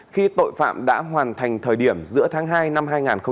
khi tội phạm đã hoàn thành thời điểm giữa tháng hai năm hai nghìn một mươi sáu